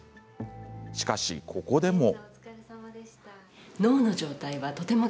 しかし、ここでも。